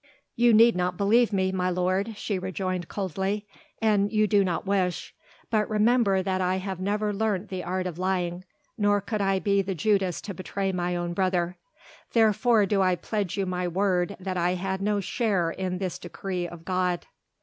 "You need not believe me, my lord," she rejoined coldly, "an you do not wish. But remember that I have never learnt the art of lying, nor could I be the Judas to betray my own brother. Therefore do I pledge you my word that I had no share in this decree of God."